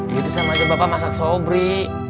gitu sama aja bapak masak sobri